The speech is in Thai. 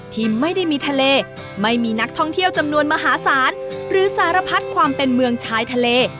ที่ไม่ได้มีทะเลไม่มีนักท่องเที่ยวจำนวนมหาศาลหรือสารพัดความเป็นเมืองชายทะเล